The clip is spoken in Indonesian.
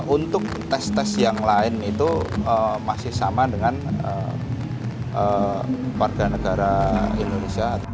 untuk tes tes yang lain itu masih sama dengan warga negara indonesia